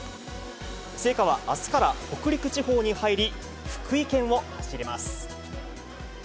聖火はあすから北陸地方に入り、福井県を走ります。